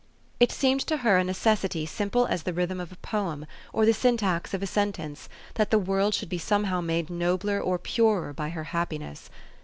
It seemed to her a necessity 1 simple as the rhythm of a poem, or the syntax of a sentence, that the world should be somehow made nobler or purer by her happiness.